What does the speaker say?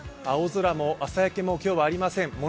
青空も朝焼けも今日はありません。